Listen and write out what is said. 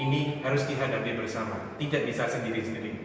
ini harus dihadapi bersama tidak bisa sendiri sendiri